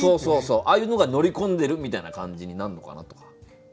ああいうのが乗り込んでるみたいな感じになんのかなとか。